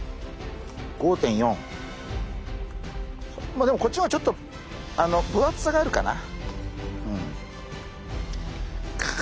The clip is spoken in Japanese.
まあでもこっちの方がちょっと分厚さがあるかな。